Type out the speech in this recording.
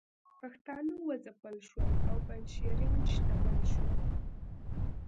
پښتانه وځپل شول او پنجشیریان شتمن شول